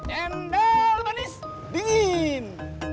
cendol manis dingin